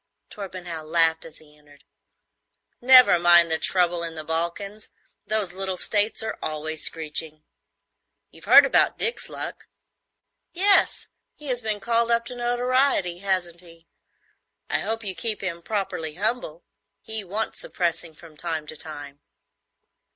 Torpenhow laughed as he entered. "Never mind the trouble in the Balkans. Those little states are always screeching. You've heard about Dick's luck?" "Yes; he has been called up to notoriety, hasn't he? I hope you keep him properly humble. He wants suppressing from time to time."